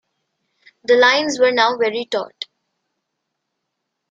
The lines were now very taut.